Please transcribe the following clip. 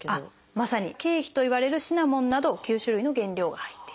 まさに「桂皮」といわれるシナモンなど９種類の原料が入っていると。